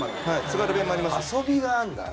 遊びがあるんだね。